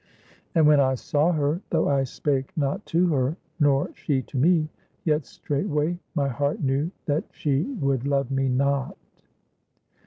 "And when I saw her, though I spake not to her, nor she to me, yet straightway my heart knew that she would love me not."